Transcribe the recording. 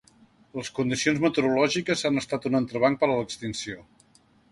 Les condicions meteorològiques han estat un entrebanc per a l’extinció.